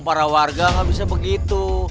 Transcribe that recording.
para warga gak bisa begitu